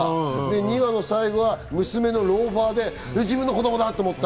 ２話の最後は娘のローファーで自分の子供だって思った。